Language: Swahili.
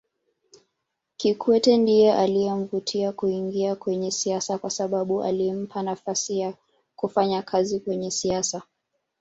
Kikwete ndiye aliyemvutia kuingia kwenye siasa kwasababu alimpa nafasi ya kufanya kazi kwenye siasa